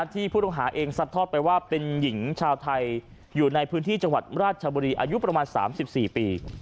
ที่ผู้ต้องหาเองซัดทอดไปว่าเป็นหญิงชาวไทยอยู่ในพื้นที่จังหวัดราชบุรีอายุประมาณ๓๔ปี